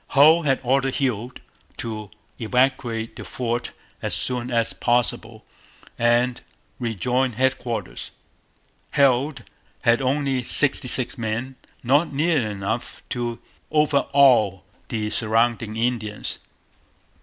Hull had ordered Heald to evacuate the fort as soon as possible and rejoin headquarters. Heald had only sixty six men, not nearly enough to overawe the surrounding Indians.